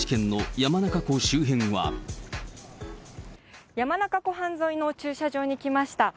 山中湖畔沿いの駐車場に来ました。